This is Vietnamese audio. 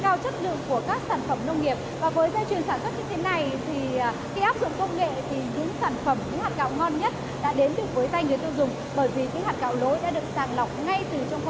bởi vì những hạt gạo lối đã được sàng lọc ngay từ trong khâu sản xuất này